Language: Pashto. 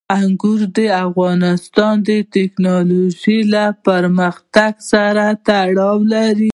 انګور د افغانستان د تکنالوژۍ له پرمختګ سره تړاو لري.